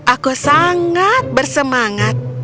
aku sangat bersemangat